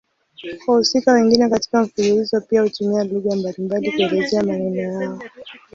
Wahusika wengine katika mfululizo pia hutumia lugha mbalimbali kuelezea maneno yao.